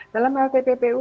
dalam hal tppu